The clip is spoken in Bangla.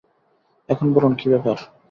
এখন বলুন, কী ব্যাপার।